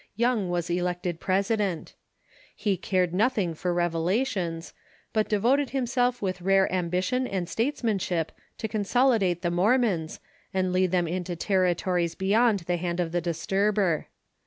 Young was elected president. He cared nothing for revelations, but Utah ,/,.,,..,,•• 1 ,• devoted himselr with rare ambition and statesmanship to consolidate the Mormons, and lead them into territories beyond the hand of the disturber.